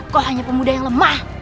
kok hanya pemuda yang lemah